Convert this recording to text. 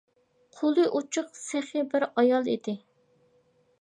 قولى ئوچۇق، سېخى بىر ئايال ئىدى.